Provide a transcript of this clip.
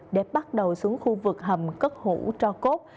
để bắt đầu xuống khu vực hầm cất hủ cho cốt